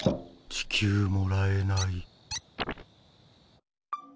地球もらえない。